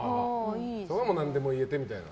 それは何でも言えてみたいな？